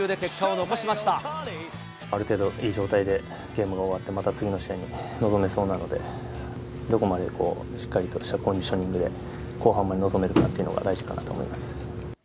ある程度、いい状態でゲームが終わって、また次の試合に臨めそうなので、どこまでしっかりとしたコンディショニングで、後半まで臨めるかっていうのが大事かなと思います。